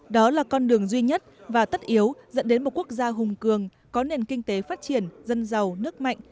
đó là con đường duy nhất và tất yếu dẫn đến một quốc gia hùng cường có nền kinh tế phát triển dân giàu nước mạnh